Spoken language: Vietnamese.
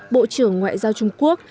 bộ trưởng ngoại giao trung quốc